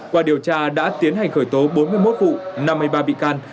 qua điều tra đã tiến hành khởi tố bốn mươi một vụ năm mươi ba bị can